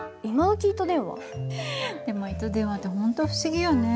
でも糸電話って本当不思議よね。